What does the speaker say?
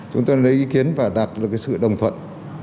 chúng tôi lấy ý kiến và đạt được cái sự đồng thuận